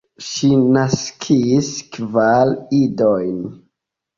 Ŝi naskis kvar idojn.